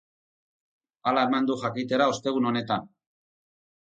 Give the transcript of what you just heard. Hala eman dute jakitera ostegun honetan.